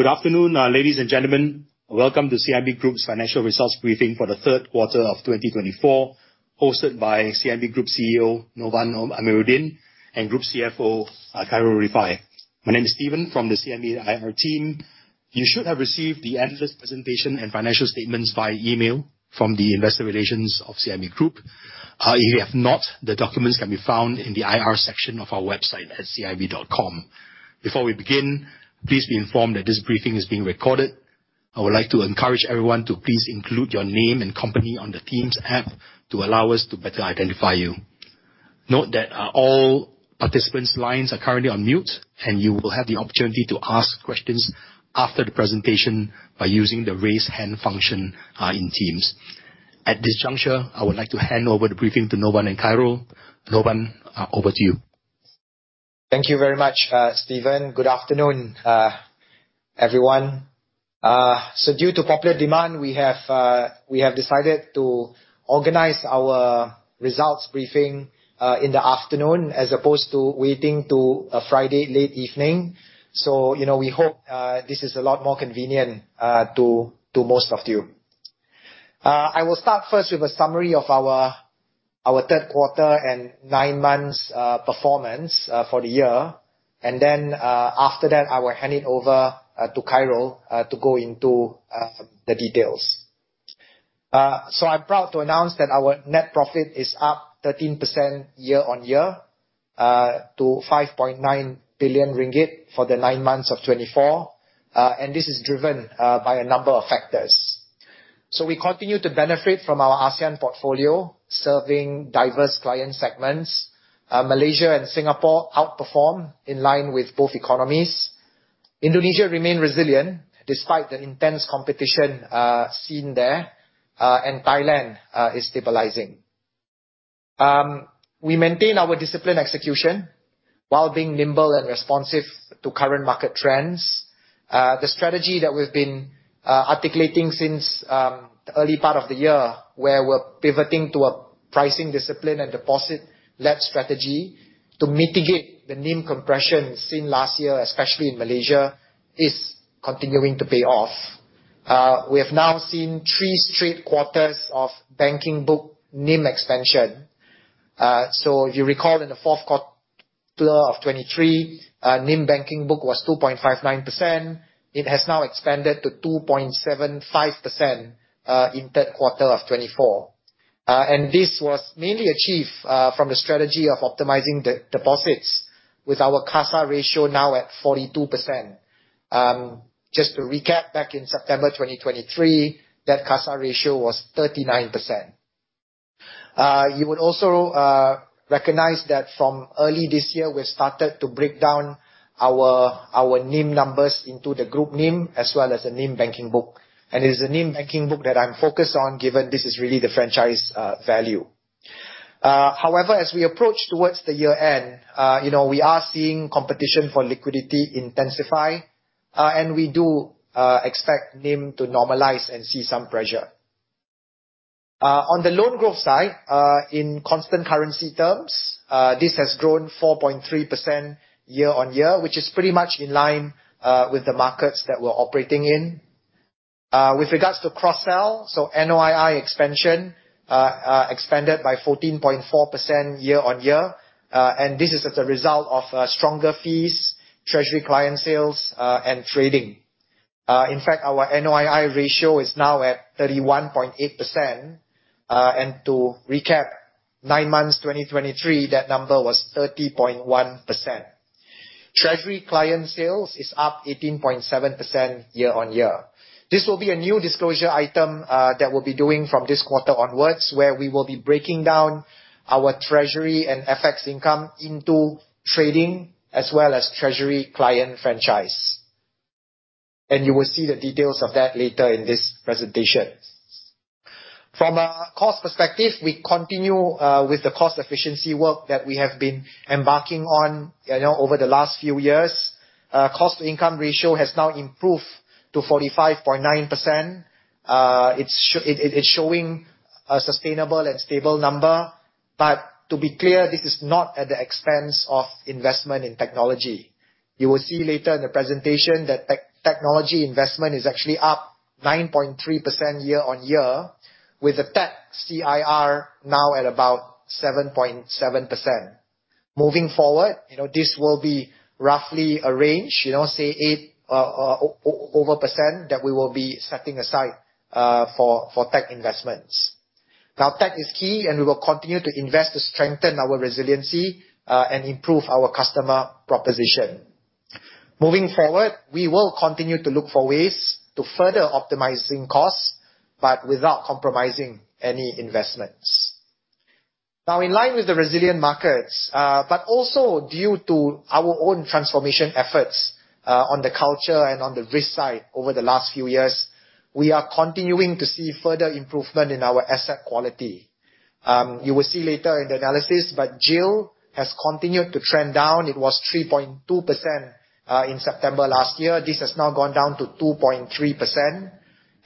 Good afternoon, ladies and gentlemen. Welcome to CIMB Group's financial results briefing for the third quarter of 2024, hosted by CIMB Group CEO, Novan Amirudin, and Group CFO, Khairul Rifaie. My name is Steven from the CIMB IR team. You should have received the analyst presentation and financial statements via email from the Investor Relations of CIMB Group. If you have not, the documents can be found in the IR section of our website at cimb.com. Before we begin, please be informed that this briefing is being recorded. I would like to encourage everyone to please include your name and company on the Teams app to allow us to better identify you. Note that all participants' lines are currently on mute, and you will have the opportunity to ask questions after the presentation by using the raise hand function in Teams. At this juncture, I would like to hand over the briefing to Novan and Khairul. Novan, over to you. Thank you very much, Steven. Good afternoon, everyone. Due to popular demand, we have decided to organize our results briefing in the afternoon as opposed to waiting to a Friday late evening. We hope this is a lot more convenient to most of you. I will start first with a summary of our third quarter and nine months performance for the year. After that, I will hand it over to Khairul to go into the details. I am proud to announce that our net profit is up 13% year-on-year, to 5.9 billion ringgit for the nine months of 2024. This is driven by a number of factors. We continue to benefit from our ASEAN portfolio, serving diverse client segments. Malaysia and Singapore outperform in line with both economies. Indonesia remain resilient despite the intense competition seen there, and Thailand is stabilizing. We maintain our disciplined execution while being nimble and responsive to current market trends. The strategy that we've been articulating since the early part of the year, where we're pivoting to a pricing discipline and deposit-led strategy to mitigate the NIM compression seen last year, especially in Malaysia, is continuing to pay off. We have now seen three straight quarters of banking book NIM expansion. If you recall, in the fourth quarter of 2023, NIM banking book was 2.59%. It has now expanded to 2.75% in third quarter of 2024. This was mainly achieved from the strategy of optimizing the deposits with our CASA ratio now at 42%. Just to recap, back in September 2023, that CASA ratio was 39%. You would also recognize that from early this year, we've started to break down our NIM numbers into the group NIM as well as the NIM banking book. It is the NIM banking book that I'm focused on, given this is really the franchise value. However, as we approach towards the year-end, we are seeing competition for liquidity intensify, and we do expect NIM to normalize and see some pressure. On the loan growth side, in constant currency terms, this has grown 4.3% year-on-year, which is pretty much in line with the markets that we're operating in. With regards to cross-sell, so NOII expansion expanded by 14.4% year-on-year. This is as a result of stronger fees, treasury client sales, and trading. In fact, our NOII ratio is now at 31.8%. To recap, 9 months 2023, that number was 30.1%. Treasury client sales is up 18.7% year-on-year. This will be a new disclosure item that we'll be doing from this quarter onwards, where we will be breaking down our treasury and FX income into trading as well as treasury client franchise. You will see the details of that later in this presentation. A cost perspective, we continue with the cost efficiency work that we have been embarking on over the last few years. Cost to income ratio has now improved to 45.9%. It is showing a sustainable and stable number. To be clear, this is not at the expense of investment in technology. You will see later in the presentation that technology investment is actually up 9.3% year-on-year with the tech CIR now at about 7.7%. Moving forward, this will be roughly a range, say, over percent that we will be setting aside for tech investments. Tech is key, and we will continue to invest to strengthen our resiliency, and improve our customer proposition. Moving forward, we will continue to look for ways to further optimizing costs, but without compromising any investments. In line with the resilient markets, but also due to our own transformation efforts, on the culture and on the risk side over the last few years, we are continuing to see further improvement in our asset quality. You will see later in the analysis, but GIL has continued to trend down. It was 3.2% in September last year. This has now gone down to 2.3%.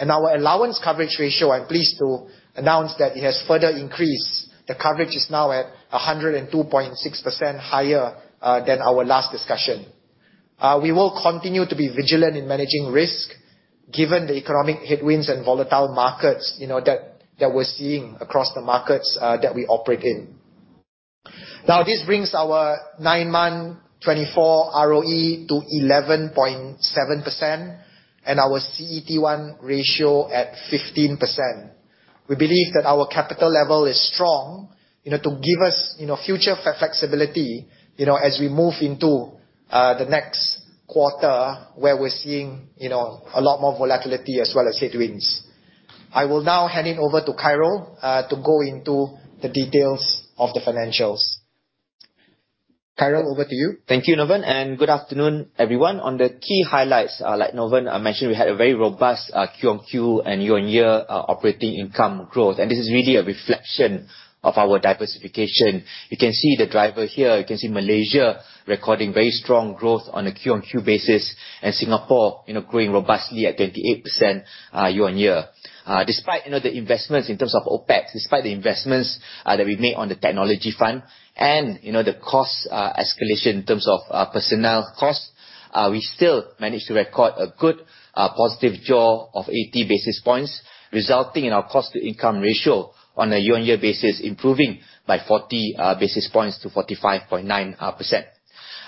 Our allowance coverage ratio, I'm pleased to announce that it has further increased. The coverage is now at 102.6%, higher than our last discussion. This brings our 9-month 2024 ROE to 11.7%, and our CET1 ratio at 15%. We believe that our capital level is strong to give us future flexibility, as we move into the next quarter where we're seeing a lot more volatility as well as headwinds. I will now hand it over to Khairul to go into the details of the financials. Khairul, over to you. Thank you, Novan, and good afternoon, everyone. On the key highlights, like Novan mentioned, we had a very robust Q-on-Q and year-on-year operating income growth. This is really a reflection of our diversification. You can see the driver here. You can see Malaysia recording very strong growth on a Q-on-Q basis, and Singapore growing robustly at 28% year-on-year. Despite the investments in terms of OpEx, despite the investments that we made on the technology front and the cost escalation in terms of personnel cost, we still managed to record a good positive jaw of 80 basis points, resulting in our cost-to-income ratio on a year-on-year basis improving by 40 basis points to 45.9%.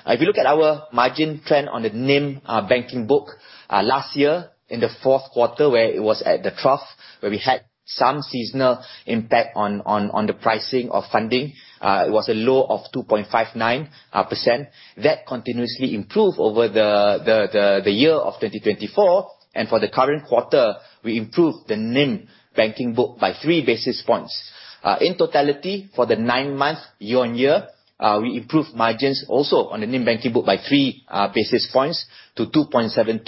If you look at our margin trend on the NIM banking book, last year in the fourth quarter where it was at the trough, where we had some seasonal impact on the pricing of funding, it was a low of 2.59%. That continuously improved over the year of 2024. For the current quarter, we improved the NIM banking book by three basis points. In totality, for the nine months year-on-year, we improved margins also on the NIM banking book by three basis points to 2.72%.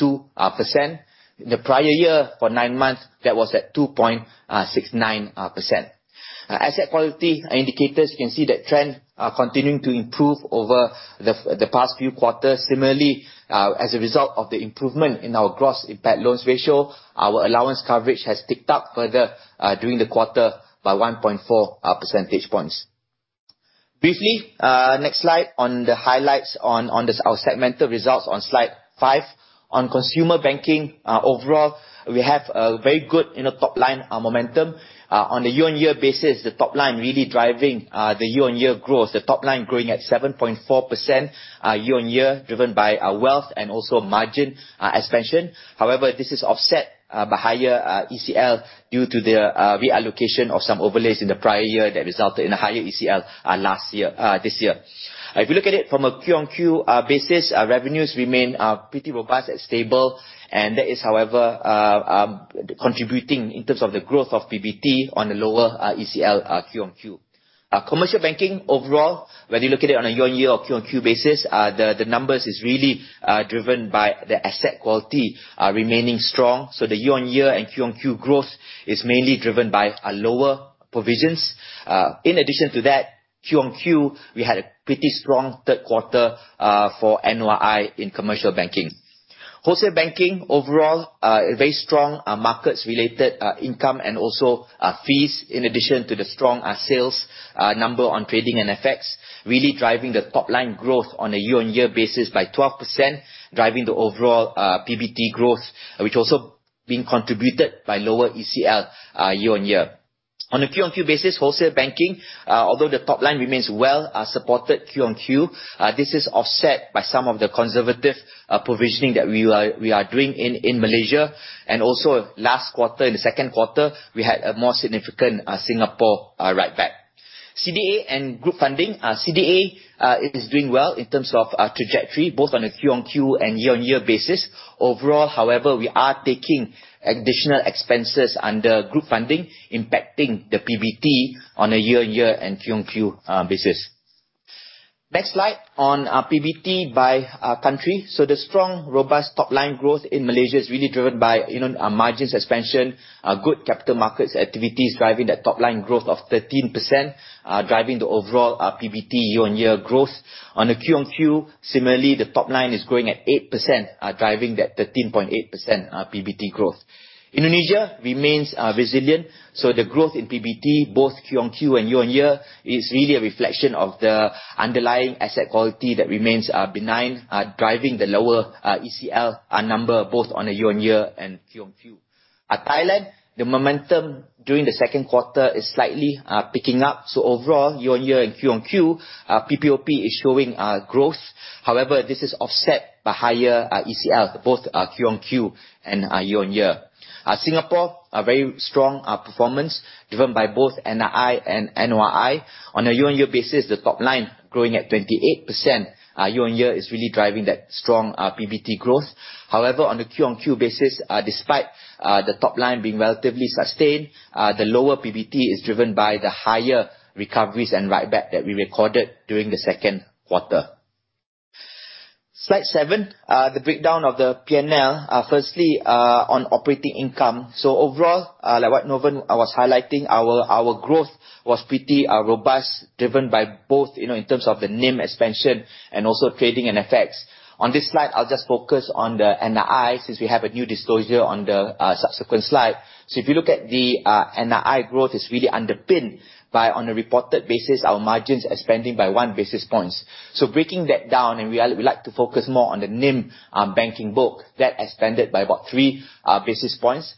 In the prior year, for nine months, that was at 2.69%. Asset quality indicators, you can see that trend continuing to improve over the past few quarters. Similarly, as a result of the improvement in our gross impaired loans ratio, our allowance coverage has ticked up further during the quarter by 1.4 percentage points. Briefly, next slide on the highlights on our segmental results on slide five. On consumer banking, overall, we have a very good top-line momentum. On a year-on-year basis, the top line really driving the year-on-year growth, the top line growing at 7.4% year-on-year, driven by wealth and also margin expansion. However, this is offset by higher ECL due to the reallocation of some overlays in the prior year that resulted in a higher ECL this year. If you look at it from a Q-on-Q basis, revenues remain pretty robust and stable, and that is, however, contributing in terms of the growth of PBT on the lower ECL Q-on-Q. Commercial banking overall, whether you look at it on a year-on-year or Q-on-Q basis, the numbers is really driven by the asset quality remaining strong. The year-on-year and Q-on-Q growth is mainly driven by lower provisions. In addition to that, Q-on-Q, we had a pretty strong third quarter for NOI in commercial banking. Wholesale banking overall, very strong markets-related income and also fees, in addition to the strong sales number on trading and FX, really driving the top-line growth on a year-on-year basis by 12%, driving the overall PBT growth, which also been contributed by lower ECL year-on-year. On a Q-on-Q basis, wholesale banking, although the top line remains well supported Q-on-Q, this is offset by some of the conservative provisioning that we are doing in Malaysia. Also last quarter, in the second quarter, we had a more significant Singapore write-back. CDA and group funding. CDA is doing well in terms of trajectory, both on a Q-on-Q and year-on-year basis. Overall, however, we are taking additional expenses under group funding, impacting the PBT on a year-on-year and Q-on-Q basis. Next slide on PBT by country. The strong, robust top-line growth in Malaysia is really driven by margin suspension, good capital markets activities driving that top-line growth of 13%, driving the overall PBT year-on-year growth. On a Q-on-Q, similarly, the top line is growing at 8%, driving that 13.8% PBT growth. Indonesia remains resilient, the growth in PBT, both Q-on-Q and year-on-year, is really a reflection of the underlying asset quality that remains benign, driving the lower ECL number both on a year-on-year and Q-on-Q. Thailand, the momentum during the second quarter is slightly picking up, overall, year-on-year and Q-on-Q, PPOP is showing growth. This is offset by higher ECL, both Q-on-Q and year-on-year. Singapore, a very strong performance driven by both NII and NOI. On a year-on-year basis, the top line growing at 28% year-on-year is really driving that strong PBT growth. On a Q-on-Q basis, despite the top line being relatively sustained, the lower PBT is driven by the higher recoveries and write-back that we recorded during the second quarter. Slide seven, the breakdown of the P&L. Firstly, on operating income. Overall, like what Novan was highlighting, our growth was pretty robust, driven by both in terms of the NIM expansion and also trading and FX. On this slide, I'll just focus on the NII, since we have a new disclosure on the subsequent slide. If you look at the NII growth, is really underpinned by, on a reported basis, our margins expanding by one basis points. Breaking that down, we like to focus more on the NIM, banking book, that expanded by about three basis points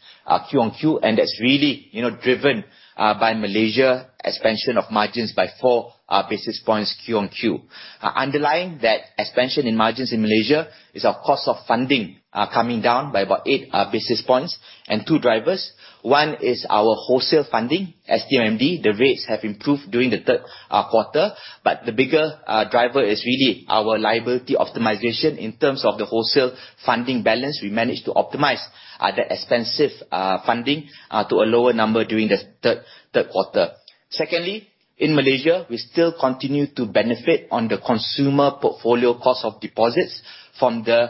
Q-on-Q, and that's really driven by Malaysia expansion of margins by four basis points Q-on-Q. Underlying that expansion in margins in Malaysia is our cost of funding coming down by about eight basis points and two drivers. One is our wholesale funding, SDMND. The rates have improved during the third quarter, but the bigger driver is really our liability optimization in terms of the wholesale funding balance. We managed to optimize the expensive funding to a lower number during the third quarter. Secondly, in Malaysia, we still continue to benefit on the consumer portfolio cost of deposits from the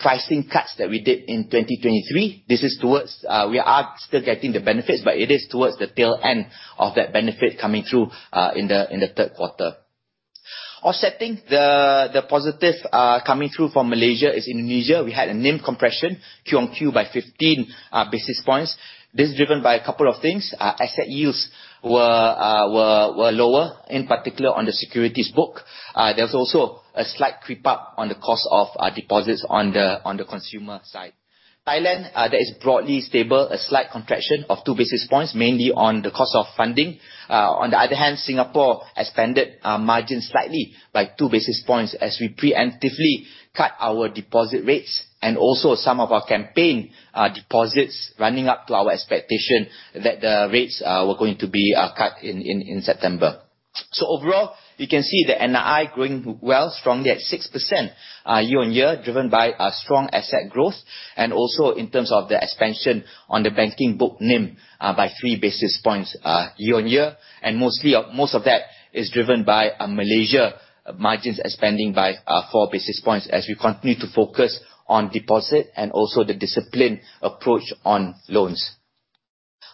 pricing cuts that we did in 2023. We are still getting the benefits, but it is towards the tail end of that benefit coming through in the third quarter. Offsetting the positive coming through from Malaysia is Indonesia. We had a NIM compression Q-on-Q by 15 basis points. This is driven by a couple of things. Our asset yields were lower, in particular on the securities book. There was also a slight creep up on the cost of deposits on the consumer side. Thailand, that is broadly stable. A slight contraction of two basis points, mainly on the cost of funding. On the other hand, Singapore expanded margins slightly by two basis points as we preemptively cut our deposit rates and also some of our campaign deposits running up to our expectation that the rates were going to be cut in September. Overall, you can see the NII growing well, strongly at 6% year-on-year, driven by strong asset growth and also in terms of the expansion on the banking book NIM by three basis points year-on-year. Most of that is driven by Malaysia margins expanding by four basis points as we continue to focus on deposit and also the disciplined approach on loans.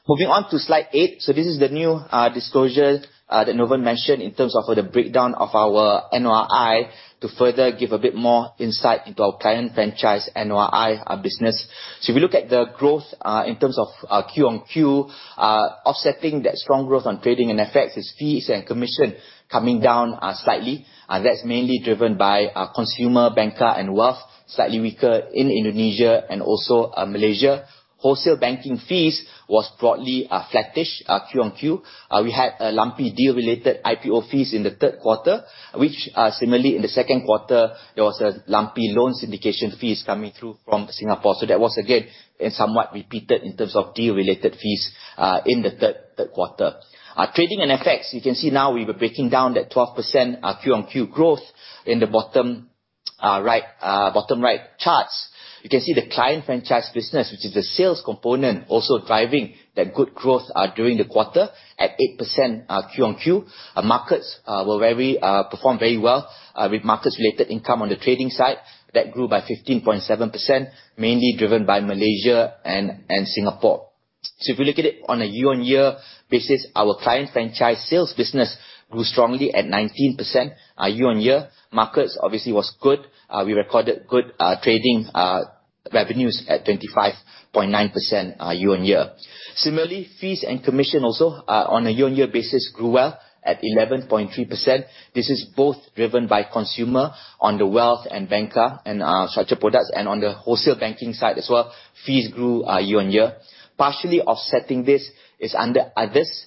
Moving on to slide 8. This is the new disclosure that Novan mentioned in terms of the breakdown of our NII to further give a bit more insight into our client franchise NII business. If you look at the growth in terms of Q on Q, offsetting that strong growth on trading and FX is fees and commission coming down slightly. That's mainly driven by consumer banker and wealth, slightly weaker in Indonesia and also Malaysia. Wholesale banking fees was broadly flattish Q on Q. We had a lumpy deal-related IPO fees in the third quarter, which similarly in the second quarter, there was a lumpy loan syndication fees coming through from Singapore. That was again, somewhat repeated in terms of deal-related fees, in the third quarter. Trading and FX, you can see now we were breaking down that 12% Q on Q growth in the bottom right charts. You can see the client franchise business, which is the sales component, also driving that good growth during the quarter at 8% Q on Q. Markets performed very well with markets-related income on the trading side that grew by 15.7%, mainly driven by Malaysia and Singapore. If you look at it on a year-on-year basis, our client franchise sales business grew strongly at 19% year on year. Markets obviously was good. We recorded good trading revenues at 25.9% year on year. Similarly, fees and commission also on a year-on-year basis grew well at 11.3%. This is both driven by consumer on the wealth and banker and structured products and on the wholesale banking side as well, fees grew year on year. Partially offsetting this is under others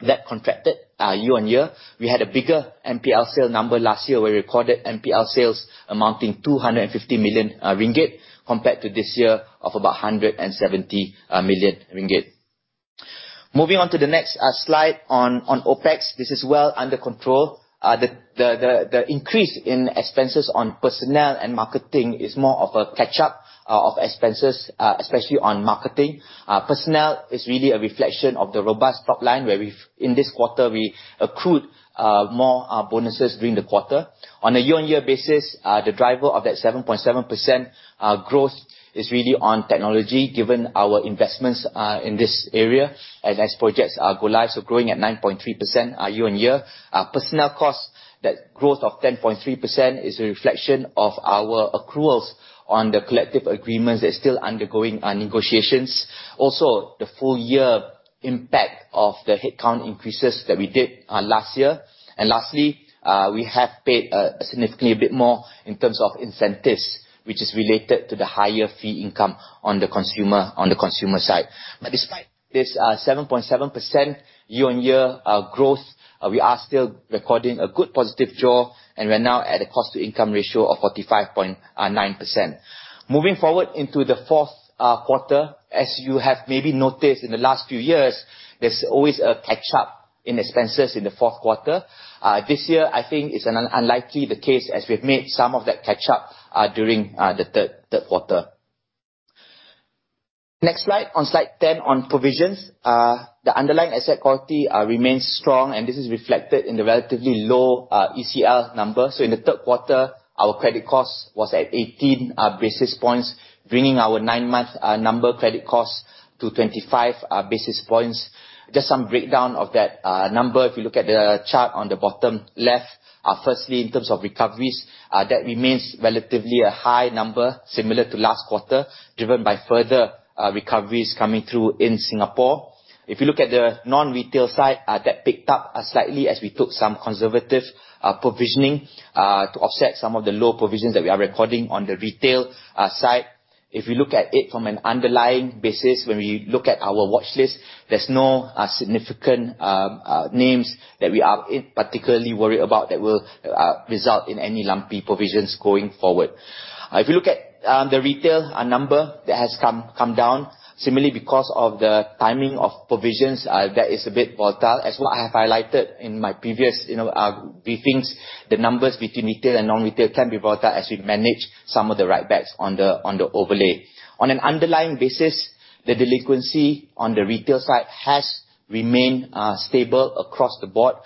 that contracted year on year. We had a bigger NPL sale number last year. We recorded NPL sales amounting 250 million ringgit compared to this year of about 170 million ringgit. Moving on to the next slide on OpEx. This is well under control. The increase in expenses on personnel and marketing is more of a catch-up of expenses, especially on marketing. Personnel is really a reflection of the robust top line where in this quarter, we accrued more bonuses during the quarter. On a year-on-year basis, the driver of that 7.7% growth is really on technology, given our investments in this area and as projects go live. Growing at 9.3% year on year. Personnel costs, that growth of 10.3% is a reflection of our accruals on the collective agreements that's still undergoing negotiations. Also, the full year impact of the headcount increases that we did last year. Lastly, we have paid significantly a bit more in terms of incentives, which is related to the higher fee income on the consumer side. Despite this 7.7% year-on-year growth, we are still recording a good positive draw, and we're now at a cost-to-income ratio of 45.9%. Moving forward into the fourth quarter, as you have maybe noticed in the last few years, there's always a catch-up in expenses in the fourth quarter. This year, I think it's unlikely the case as we've made some of that catch up during the third quarter. Next slide, on slide 10 on provisions. The underlying asset quality remains strong. This is reflected in the relatively low ECL numbers. In the third quarter, our credit cost was at 18 basis points, bringing our nine-month number credit cost to 25 basis points. Just some breakdown of that number. If you look at the chart on the bottom left, firstly, in terms of recoveries, that remains relatively a high number similar to last quarter, driven by further recoveries coming through in Singapore. If you look at the non-retail side, that picked up slightly as we took some conservative provisioning to offset some of the low provisions that we are recording on the retail side. If we look at it from an underlying basis, when we look at our watchlist, there's no significant names that we are particularly worried about that will result in any lumpy provisions going forward. If you look at the retail number, that has come down similarly because of the timing of provisions that is a bit volatile. As what I have highlighted in my previous briefings, the numbers between retail and non-retail can be volatile as we manage some of the write-backs on the overlay. On an underlying basis, the delinquency on the retail side has remained stable across the board.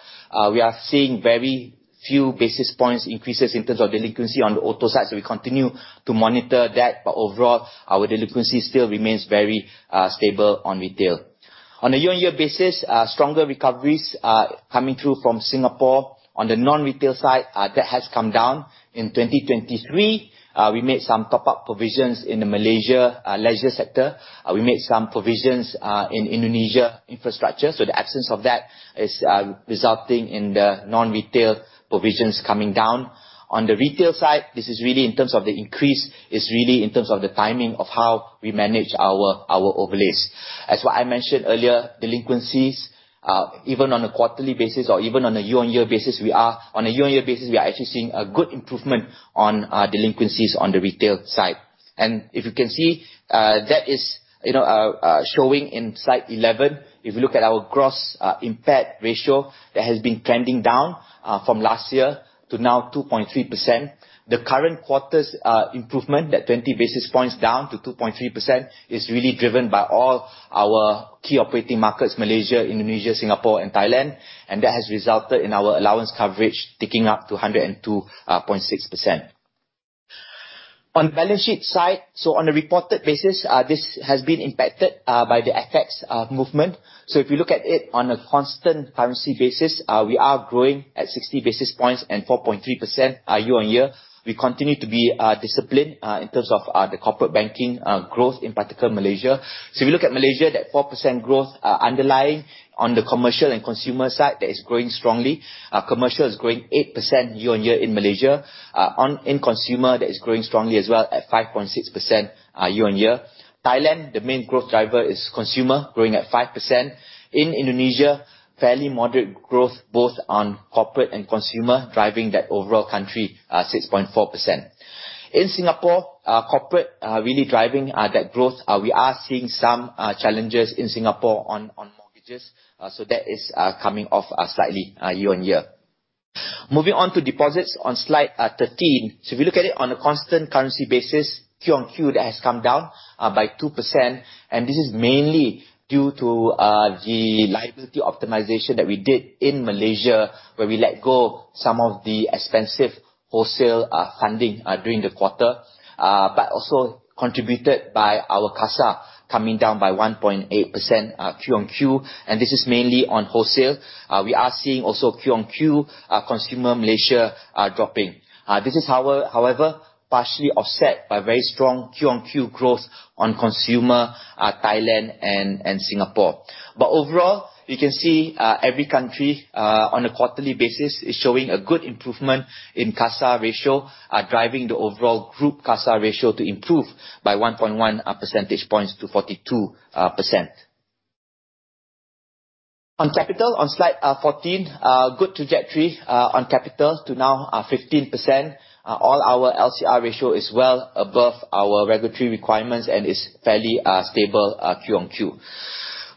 We are seeing very few basis points increases in terms of delinquency on the auto side, we continue to monitor that. Overall, our delinquency still remains very stable on retail. On a year-on-year basis, stronger recoveries are coming through from Singapore. On the non-retail side, that has come down. In 2023, we made some top-up provisions in the Malaysia leisure sector. We made some provisions in Indonesia infrastructure. The absence of that is resulting in the non-retail provisions coming down. On the retail side, this is really in terms of the increase, is really in terms of the timing of how we manage our overlays. As what I mentioned earlier, delinquencies, even on a quarterly basis or even on a year-on-year basis, we are actually seeing a good improvement on delinquencies on the retail side. If you can see, that is showing in slide 11. If you look at our gross impact ratio, that has been trending down from last year to now, 2.3%. The current quarter's improvement, that 20 basis points down to 2.3%, is really driven by all our key operating markets, Malaysia, Indonesia, Singapore and Thailand, and that has resulted in our allowance coverage ticking up to 102.6%. On the balance sheet side, on a reported basis, this has been impacted by the FX movement. If you look at it on a constant currency basis, we are growing at 60 basis points and 4.3% year-on-year. We continue to be disciplined in terms of the corporate banking growth, in particular Malaysia. If you look at Malaysia, that 4% growth underlying on the commercial and consumer side, that is growing strongly. Commercial is growing 8% year-on-year in Malaysia. In consumer, that is growing strongly as well at 5.6% year-on-year. Thailand, the main growth driver is consumer, growing at 5%. In Indonesia, fairly moderate growth both on corporate and consumer, driving that overall country, 6.4%. In Singapore, corporate really driving that growth. We are seeing some challenges in Singapore on mortgages. That is coming off slightly year-on-year. Moving on to deposits on slide 13. If you look at it on a constant currency basis, Q on Q, that has come down by 2%, and this is mainly due to the liability optimization that we did in Malaysia, where we let go some of the expensive wholesale funding during the quarter, but also contributed by our CASA coming down by 1.8% Q on Q, and this is mainly on wholesale. We are seeing also Q on Q consumer Malaysia dropping. This is, however, partially offset by very strong Q on Q growth on consumer Thailand and Singapore. Overall, you can see every country, on a quarterly basis, is showing a good improvement in CASA ratio, driving the overall group CASA ratio to improve by 1.1 percentage points to 42%. On capital, on slide 14, good trajectory on capital to now 15%. All our LCR ratio is well above our regulatory requirements and is fairly stable Q on Q.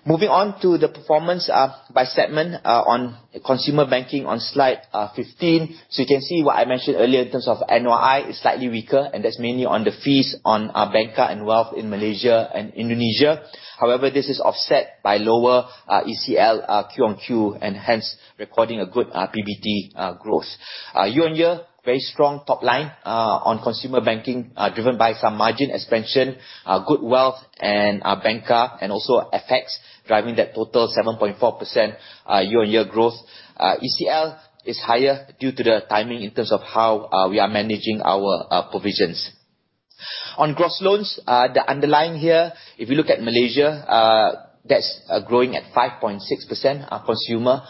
Moving on to the performance by segment on consumer banking on slide 15. You can see what I mentioned earlier in terms of NOI is slightly weaker, and that's mainly on the fees on our banker and wealth in Malaysia and Indonesia. However, this is offset by lower ECL Q on Q and hence recording a good PBT growth. Year-on-year, very strong top line on consumer banking, driven by some margin expansion, good wealth and banker, and also FX driving that total 7.4% year-on-year growth. ECL is higher due to the timing in terms of how we are managing our provisions. On gross loans, the underlying here, if you look at Malaysia, that's growing at 5.6% consumer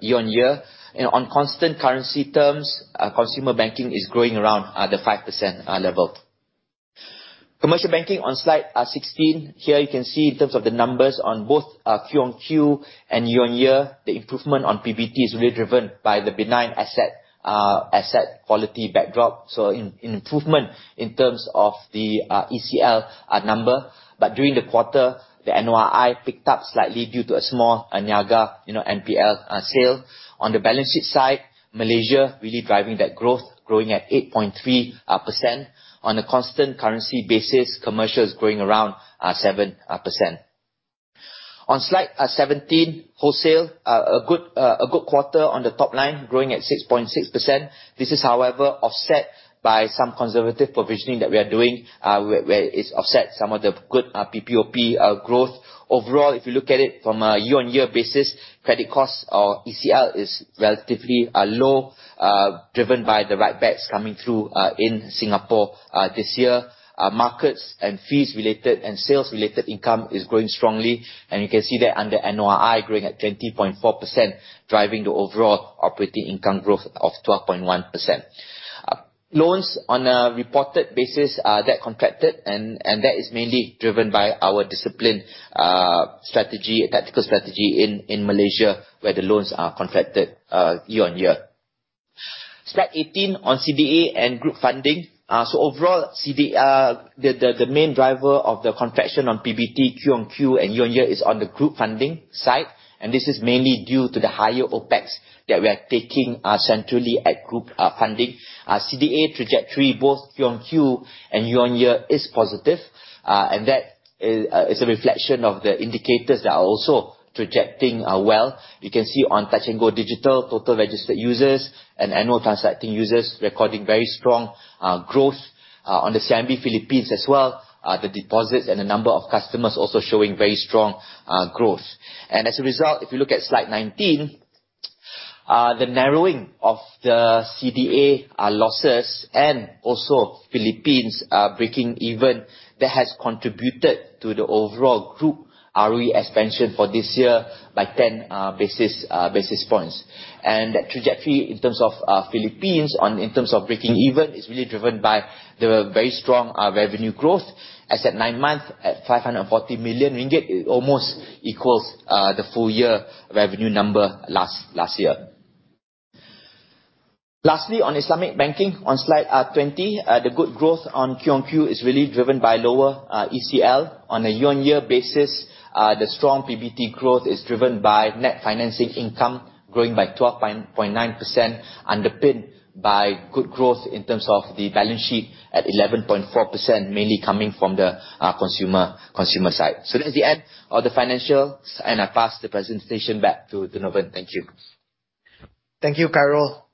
year-on-year. On constant currency terms, consumer banking is growing around the 5% level. Commercial banking on slide 16. Here you can see in terms of the numbers on both Q on Q and year-on-year, the improvement on PBT is really driven by the benign asset quality backdrop. An improvement in terms of the ECL number. During the quarter, the NOI picked up slightly due to a small CIMB Niaga NPL sale. On the balance sheet side, Malaysia really driving that growth, growing at 8.3%. On a constant currency basis, commercial is growing around 7%. On slide 17, wholesale, a good quarter on the top line, growing at 6.6%. This is, however, offset by some conservative provisioning that we are doing, where it's offset some of the good PPOP growth. Overall, if you look at it from a year-on-year basis, credit costs or ECL is relatively low, driven by the right bets coming through in Singapore this year. Markets and fees related and sales related income is growing strongly, and you can see that under NOI growing at 20.4%, driving the overall operating income growth of 12.1%. Loans on a reported basis, that contracted, and that is mainly driven by our disciplined strategy, tactical strategy in Malaysia, where the loans are contracted year-on-year. Slide 18 on CDA and group funding. Overall, the main driver of the contraction on PBT Q-on-Q and year-on-year is on the group funding side, and this is mainly due to the higher OpEx that we are taking centrally at group funding. CDA trajectory, both Q-on-Q and year-on-year is positive, and that is a reflection of the indicators that are also trajecting well. You can see on Touch 'n Go digital, total registered users and annual transacting users recording very strong growth. On the CIMB Philippines as well, the deposits and the number of customers also showing very strong growth. As a result, if you look at slide 19, the narrowing of the CDA losses and also Philippines breaking even, that has contributed to the overall group ROE expansion for this year by 10 basis points. That trajectory in terms of Philippines in terms of breaking even is really driven by the very strong revenue growth. As at nine months, at 540 million ringgit, it almost equals the full year revenue number last year. Lastly, on Islamic banking, on slide 20, the good growth on Q-on-Q is really driven by lower ECL. On a year-on-year basis, the strong PBT growth is driven by net financing income growing by 12.9%, underpinned by good growth in terms of the balance sheet at 11.4%, mainly coming from the consumer side. That's the end of the financials, and I pass the presentation back to Dhiván. Thank you. Thank you, Carol.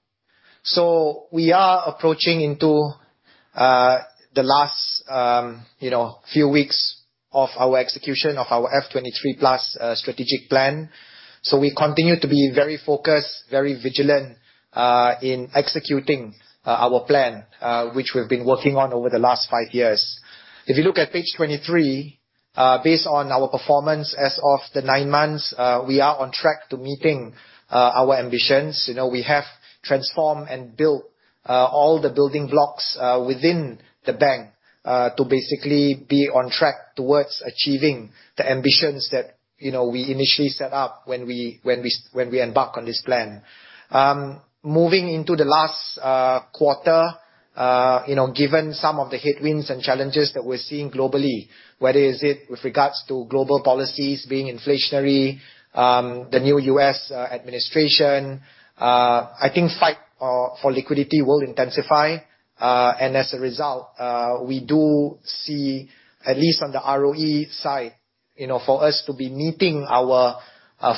We are approaching into the last few weeks of our execution of our F23+ strategic plan. We continue to be very focused, very vigilant, in executing our plan, which we've been working on over the last five years. If you look at page 23, based on our performance as of the nine months, we are on track to meeting our ambitions. We have transformed and built all the building blocks within the bank, to basically be on track towards achieving the ambitions that we initially set up when we embarked on this plan. Moving into the last quarter, given some of the headwinds and challenges that we're seeing globally, whether is it with regards to global policies being inflationary, the new U.S. administration, I think fight for liquidity will intensify. As a result, we do see, at least on the ROE side, for us to be meeting our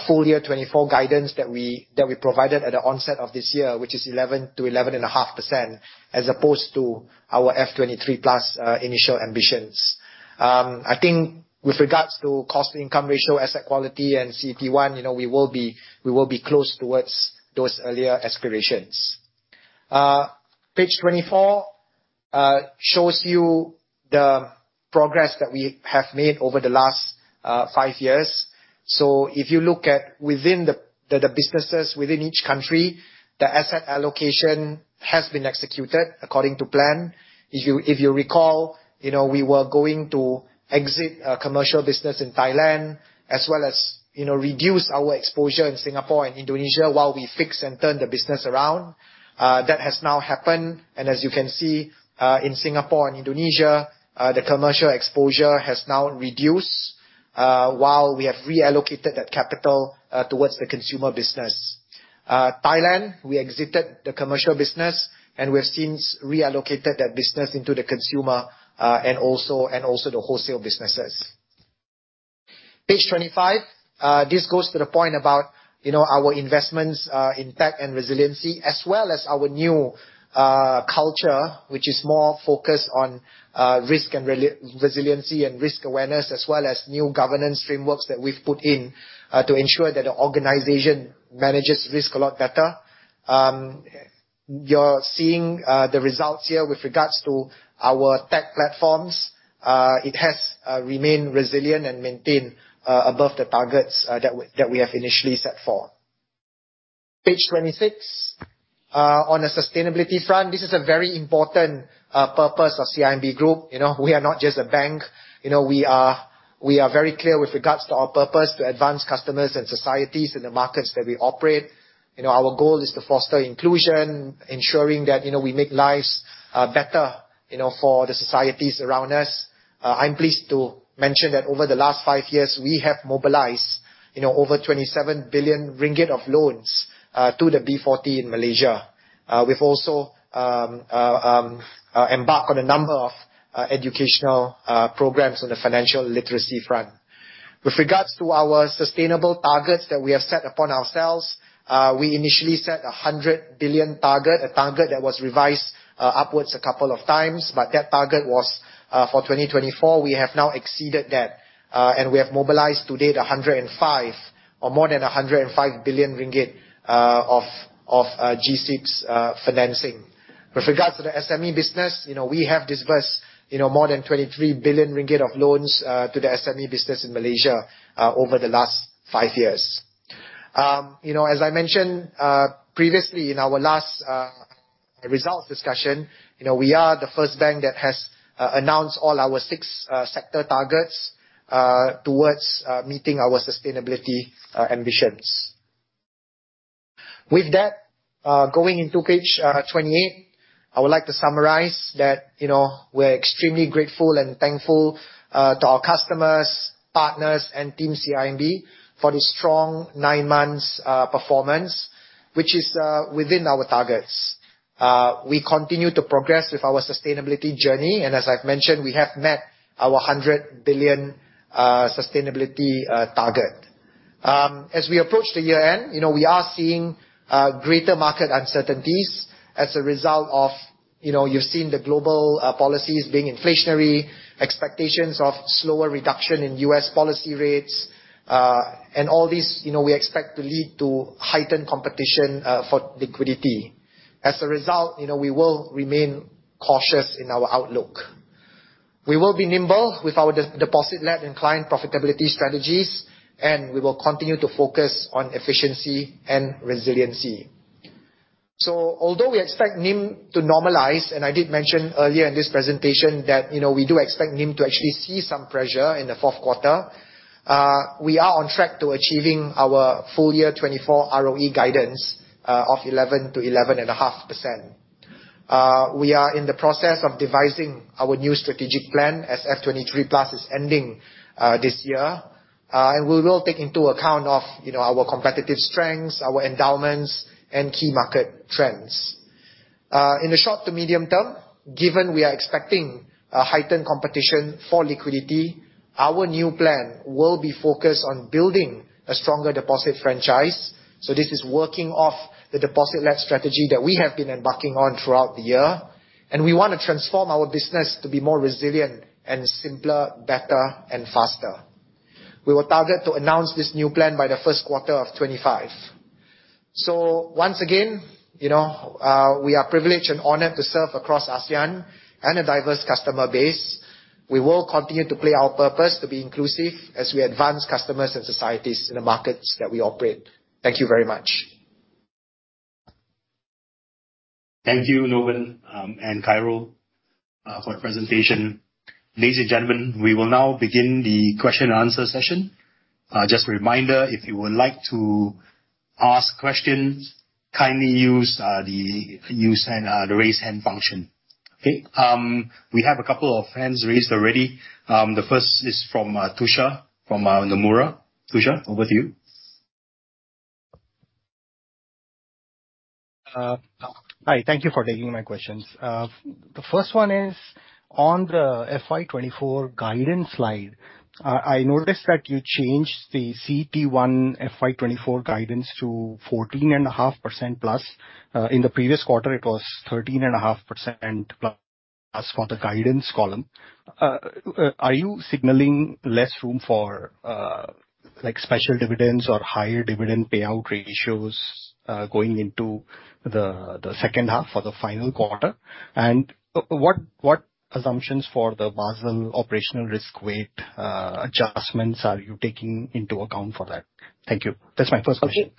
full year 2024 guidance that we provided at the onset of this year, which is 11%-11.5%, as opposed to our F23+ initial ambitions. I think with regards to cost income ratio, asset quality, and CET1, we will be close towards those earlier aspirations. Page 24 shows you the progress that we have made over the last five years. If you look at within the businesses within each country, the asset allocation has been executed according to plan. If you recall, we were going to exit a commercial business in Thailand as well as reduce our exposure in Singapore and Indonesia while we fix and turn the business around. That has now happened. As you can see, in Singapore and Indonesia, the commercial exposure has now reduced, while we have reallocated that capital towards the consumer business. Thailand, we exited the commercial business and we have since reallocated that business into the consumer, and also the wholesale businesses. Page 25. This goes to the point about our investments in tech and resiliency as well as our new culture, which is more focused on risk and resiliency and risk awareness, as well as new governance frameworks that we've put in to ensure that the organization manages risk a lot better. You're seeing the results here with regards to our tech platforms. It has remained resilient and maintained above the targets that we have initially set for. Page 26. On the sustainability front, this is a very important purpose of CIMB Group. We are not just a bank. We are very clear with regards to our purpose to advance customers and societies in the markets where we operate. Our goal is to foster inclusion, ensuring that we make lives better for the societies around us. I'm pleased to mention that over the last five years, we have mobilized over 27 billion ringgit of loans to the B40 in Malaysia. We've also embarked on a number of educational programs on the financial literacy front. With regards to our sustainable targets that we have set upon ourselves, we initially set a 100 billion target, a target that was revised upwards a couple of times, but that target was for 2024. We have now exceeded that, and we have mobilized to date, 105 billion or more than 105 billion ringgit of GSSIPS financing. With regards to the SME business, we have disbursed more than 23 billion ringgit of loans to the SME business in Malaysia over the last five years. As I mentioned previously in our last results discussion, we are the first bank that has announced all our six sector targets towards meeting our sustainability ambitions. With that, going into Page 28, I would like to summarize that we're extremely grateful and thankful to our customers, partners, and team CIMB for the strong nine months performance, which is within our targets. We continue to progress with our sustainability journey. As I've mentioned, we have met our 100 billion sustainability target. As we approach the year-end, we are seeing greater market uncertainties as a result of, you've seen the global policies being inflationary, expectations of slower reduction in U.S. policy rates. All these, we expect to lead to heightened competition for liquidity. As a result, we will remain cautious in our outlook. We will be nimble with our deposit-led and client profitability strategies. We will continue to focus on efficiency and resiliency. Although we expect NIM to normalize. I did mention earlier in this presentation that we do expect NIM to actually see some pressure in the fourth quarter. We are on track to achieving our full year 2024 ROE guidance of 11%-11.5%. We are in the process of devising our new strategic plan as F23 Plus is ending this year. We will take into account of our competitive strengths, our endowments, and key market trends. In the short to medium term, given we are expecting a heightened competition for liquidity, our new plan will be focused on building a stronger deposit franchise. This is working off the deposit-led strategy that we have been embarking on throughout the year. We want to transform our business to be more resilient and simpler, better, and faster. We were targeted to announce this new plan by the first quarter of 2025. Once again, we are privileged and honored to serve across ASEAN and a diverse customer base. We will continue to play our purpose to be inclusive as we advance customers and societies in the markets that we operate. Thank you very much. Thank you, Novan and Cairo, for your presentation. Ladies and gentlemen, we will now begin the question and answer session. Just a reminder, if you would like to ask questions, kindly use the raise hand function. Okay. We have a couple of hands raised already. The first is from Tushar from Nomura. Tushar, over to you. Hi, thank you for taking my questions. The first one is on the FY 2024 guidance slide. I noticed that you changed the CET1 FY 2024 guidance to 14.5%+. In the previous quarter, it was 13.5%+ for the guidance column. Are you signaling less room for special dividends or higher dividend payout ratios, going into the second half or the final quarter? What assumptions for the Basel operational risk weight adjustments are you taking into account for that? Thank you. That's my first question. Okay.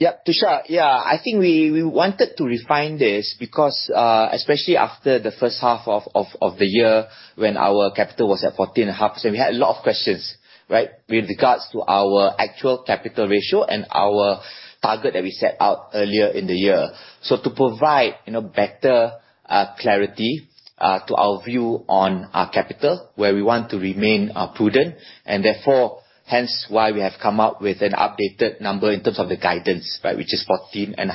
Yep, Tushar. I think we wanted to refine this because, especially after the first half of the year when our capital was at 14.5%, we had a lot of questions, right? With regards to our actual capital ratio and our target that we set out earlier in the year. To provide better clarity to our view on our capital, where we want to remain prudent, therefore, hence why we have come up with an updated number in terms of the guidance, right? Which is 14.5%.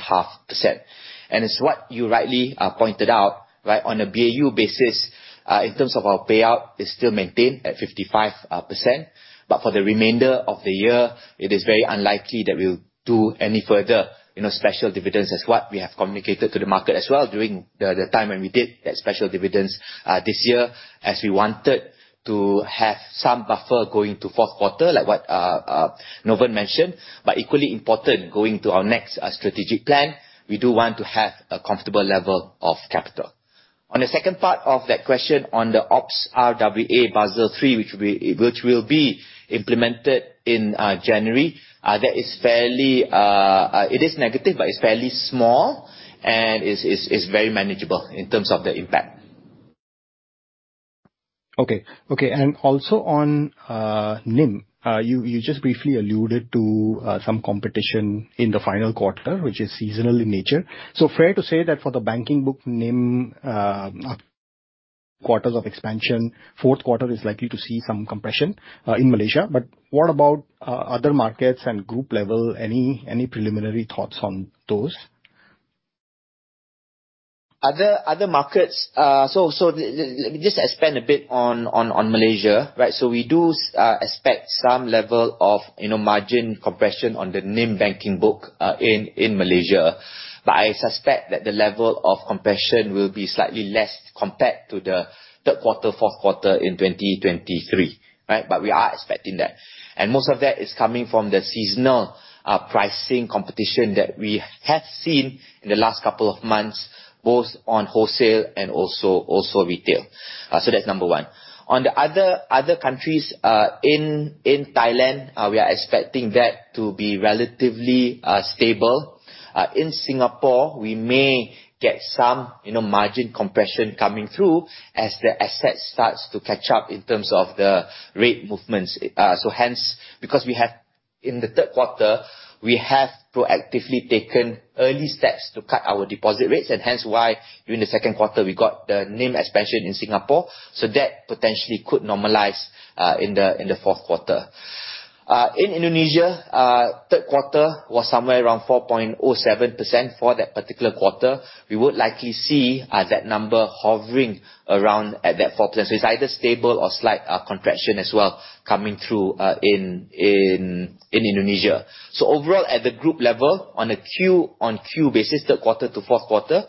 It's what you rightly pointed out, right? On a BAU basis, in terms of our payout, it's still maintained at 55%, but for the remainder of the year, it is very unlikely that we'll do any further special dividends as what we have communicated to the market as well during the time when we did that special dividends this year, as we wanted to have some buffer going to fourth quarter, like what Novan mentioned. Equally important, going to our next strategic plan, we do want to have a comfortable level of capital. The second part of that question on the Ops RWA Basel III, which will be implemented in January, it is negative, but it's fairly small, and it's very manageable in terms of the impact. Okay. Also on NIM, you just briefly alluded to some competition in the final quarter, which is seasonal in nature. Fair to say that for the banking book NIM quarters of expansion, fourth quarter is likely to see some compression, in Malaysia. What about other markets and group level? Any preliminary thoughts on those? Other markets, just expand a bit on Malaysia, right? We do expect some level of margin compression on the NIM banking book in Malaysia. I suspect that the level of compression will be slightly less compared to the third quarter, fourth quarter in 2023, right? We are expecting that. Most of that is coming from the seasonal pricing competition that we have seen in the last couple of months, both on wholesale and also retail. That's number one. On the other countries, in Thailand, we are expecting that to be relatively stable. In Singapore, we may get some margin compression coming through as the asset starts to catch up in terms of the rate movements. Hence, because in the third quarter, we have proactively taken early steps to cut our deposit rates, and hence why during the second quarter we got the NIM expansion in Singapore. That potentially could normalize in the fourth quarter. In Indonesia, third quarter was somewhere around 4.07% for that particular quarter. We would likely see that number hovering around at that 4%, so it's either stable or slight compression as well coming through in Indonesia. Overall, at the group level, on a Q on Q basis, third quarter to fourth quarter,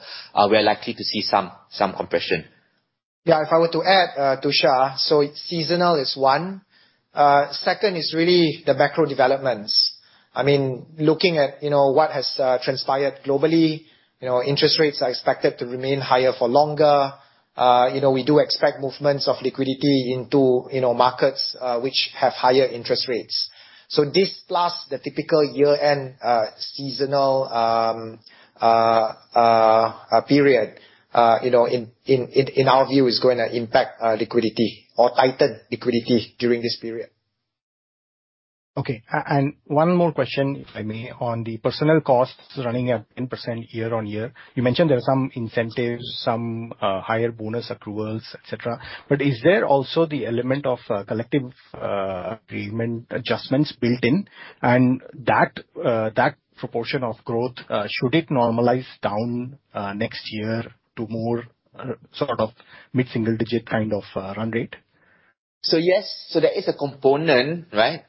we're likely to see some compression. Yeah, if I were to add, Tushar, seasonal is one. Second is really the macro developments. Looking at what has transpired globally, interest rates are expected to remain higher for longer. We do expect movements of liquidity into markets, which have higher interest rates. This, plus the typical year-end, seasonal period, in our view, is going to impact liquidity or tighten liquidity during this period. Okay. One more question, if I may, on the personnel costs running at 10% year-on-year. You mentioned there are some incentives, some higher bonus accruals, et cetera, is there also the element of collective agreement adjustments built in, that proportion of growth, should it normalize down next year to more mid-single digit kind of run rate? Yes, there is a component, right?